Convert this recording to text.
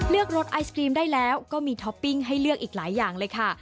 รสไอศกรีมได้แล้วก็มีท็อปปิ้งให้เลือกอีกหลายอย่างเลยค่ะ